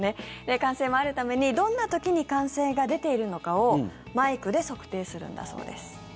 歓声もあるためにどんな時に歓声が出ているのかをマイクで測定するんだそうです。